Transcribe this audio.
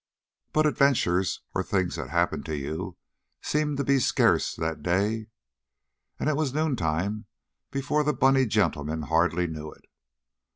But adventures, or things that happen to you, seemed to be scarce that day, and it was noontime before the bunny gentleman hardly knew it.